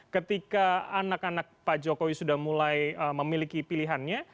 ketika anak anak pak jokowi sudah mulai memiliki pilihannya